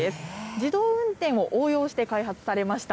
自動運転を応用して開発されました。